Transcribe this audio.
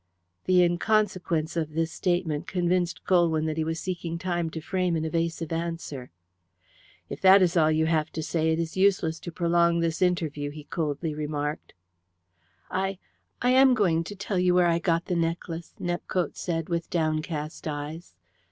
The inconsequence of this statement convinced Colwyn that he was seeking time to frame an evasive answer. "If that is all you have to say it is useless to prolong this interview," he coldly remarked. "I I am going to tell you where I got the necklace," Nepcote said, with downcast eyes.